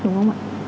đúng không ạ